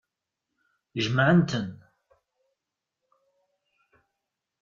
Jemɛent-ten.